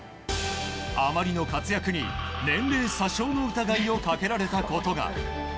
あまりの活躍に年齢詐称の疑いをかけられたことが。